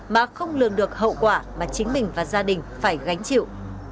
mà không lường được hậu quả mà chính mình và gia đình phải gánh chịu